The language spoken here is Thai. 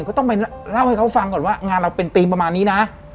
ก็ต้องไปเล่าให้เขาฟังก่อนว่างานเราเป็นธีมประมาณนี้นะ